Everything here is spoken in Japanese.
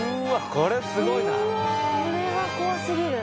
これは怖すぎる。